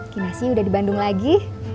kinasi udah di bandung lagi